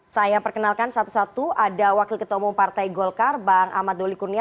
saya perkenalkan satu satu ada wakil ketua umum partai golkar bang ahmad doli kurnia